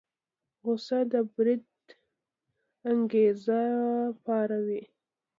غوسه د بريد انګېزه پاروي.